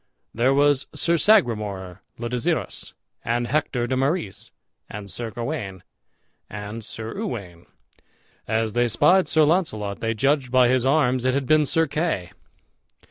There was Sir Sagramour le Desirus, and Hector de Marys, and Sir Gawain, and Sir Uwaine. As they spied Sir Launcelot they judged by his arms it had been Sir Kay.